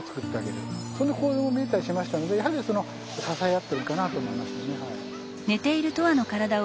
そんな行動を見えたりしましたのでやはりその支え合ってるかなと思いましたねはい。